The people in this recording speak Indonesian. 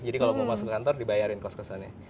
jadi kalau mau masuk ke kantor dibayarin kos kosannya